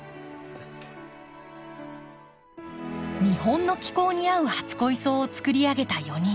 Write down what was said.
日本の気候に合う初恋草をつくりあげた４人。